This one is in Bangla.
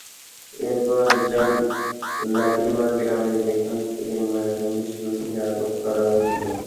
এরপর যান লাটিমা গ্রামে, যেখান থেকে মায়ের সঙ্গে শিশুটিকে আটক করা হয়েছিল।